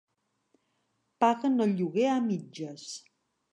Paguen el lloguer a mitges.